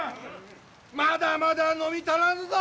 まだまだ飲み足らぬぞ！